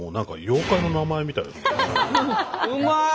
うまい！